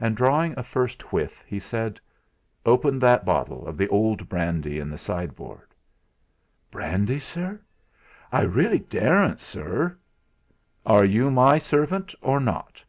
And drawing a first whiff, he said: "Open that bottle of the old brandy in the sideboard." "Brandy, sir? I really daren't, sir." "Are you my servant or not?"